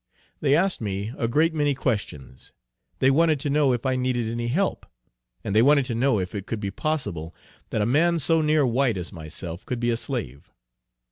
They asked me a great many questions. They wanted to know if I needed any help? and they wanted to know if it could be possible that a man so near white as myself could be a slave?